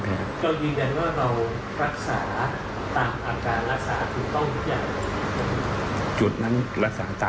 แม่จะมาเรียกร้องอะไร